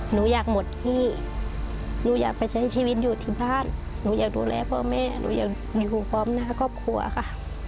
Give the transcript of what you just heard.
หนูอยากหมดพี่หนูอยากไปใช้ชีวิตอยู่ที่บ้านหนูอยากดูแลพ่อแม่หนูอยากอยู่พร้อมหน้าครอบครัวค่ะ